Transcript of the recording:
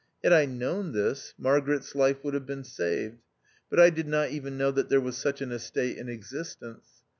Had I known this, Margaret's life would have been saved ; but I did not even know that there was such an estate in existence.